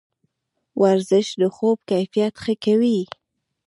ورزش د خوب کیفیت ښه کوي.